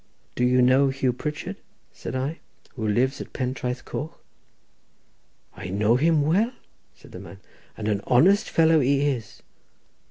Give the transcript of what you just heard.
"Do you know Hugh Pritchard," said I, "who lives at Pentraeth Coch?" "I know him well," said the man, "and an honest fellow he is."